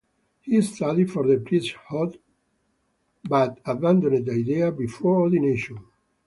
He studied for the priesthood, but abandoned the idea before ordination.